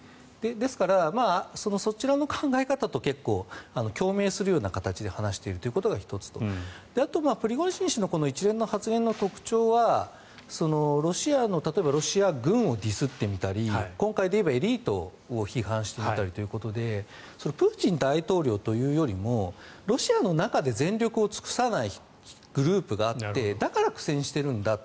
ですから、そちらの考え方と結構共鳴するような形で話しているというのが１つとあとプリゴジン氏の一連の発言の特徴はロシアの例えば、ロシア軍をディスってみたり今回で言えばエリートを批判してみたりということでプーチン大統領というよりもロシアの中で全力を尽くさないグループがあってだから苦戦しているんだと。